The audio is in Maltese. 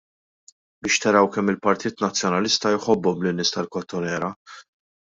Biex taraw kemm il-Partit Nazzjonalista jħobbhom lin-nies tal-Kottonera!